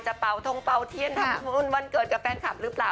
เป่าทงเป่าเทียนทำบุญวันเกิดกับแฟนคลับหรือเปล่า